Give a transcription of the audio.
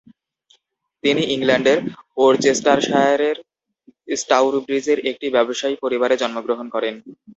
তিনি ইংল্যান্ডের ওরচেস্টারশায়ারের স্টাউরব্রীজের একটি ব্যবসায়ী পরিবারে জন্মগ্রহণ করেন।